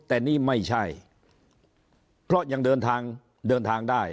แต่นี่ไม่ใช่เพราะยังเดินทางเดินทางได้